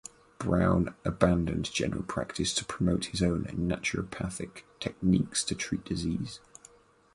Brown abandoned general practice to promote his own naturopathic techniques to treat disease.